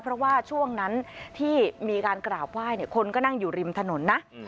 เพราะว่าช่วงนั้นที่มีการกราบไหว้คนก็นั่งอยู่ริมถนนนะ